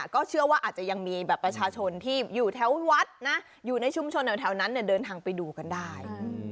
ก็เชื่อว่าอาจจะยังมีแบบประชาชนที่อยู่แถววัดนะอยู่ในชุมชนแถวนั้นเดินทางไปดูกันได้